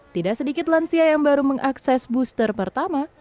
tidak sedikit lansia yang baru mengakses booster pertama